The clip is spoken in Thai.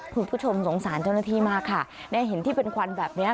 คุณผู้ชมสงสารเจ้าหน้าที่มากค่ะได้เห็นที่เป็นควันแบบนี้